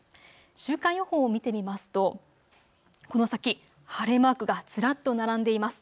週間予報を見てみますとこの先、晴れマークがずらっと並んでいます。